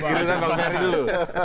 gitu kan kalau ferry dulu